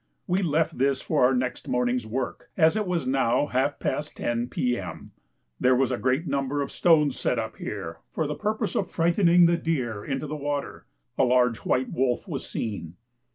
We left this for our next morning's work, as it was now half past 10 P.M. There was a great number of stones set up here for the purpose of frightening the deer into the water. A large white wolf was seen.